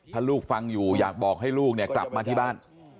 ถ้าลูกฟังอยู่อยากบอกให้ลูกเนี่ยกลับมาที่บ้าน